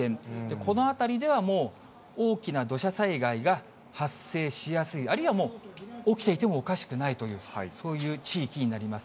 この辺りではもう大きな土砂災害が発生しやすい、あるいは起きていてもおかしくないという、そういう地域になります。